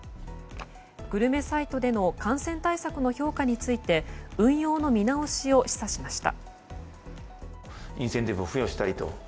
グルメサイトでの感染対策の評価について運用の見直しを示唆しました。